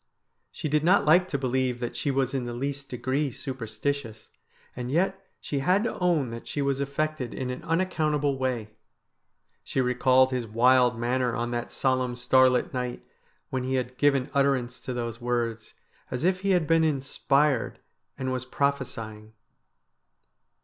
She did not like to believe that she was in the least degree superstitious, and yet she had to own that she was affected in an unaccountable way. She recalled his wild manner on that solemn starlit night when he had given utter ance to those words, as if he had been inspired and was prophesying.